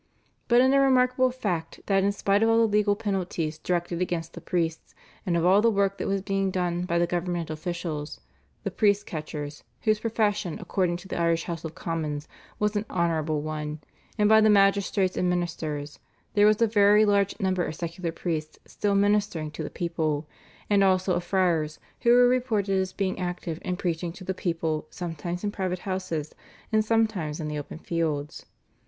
But in a remarkable fact that in spite of all the legal penalties directed against the priests, and of all the work that was being done by the government officials, the "priest catchers," whose profession according to the Irish House of Commons was an honourable one, and by the magistrates, and ministers, there was a very large number of secular priests still ministering to the people and also of friars, who were reported as being active in preaching to the people sometimes in private houses and sometimes in the open fields.